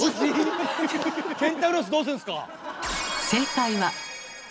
ケンタウロスどうすんすか！